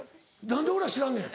何で俺ら知らんねん？